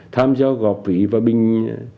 tham gia góp vị và binh